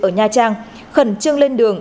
ở nha trang khẩn trương lên đường